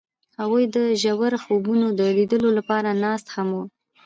هغوی د ژور خوبونو د لیدلو لپاره ناست هم وو.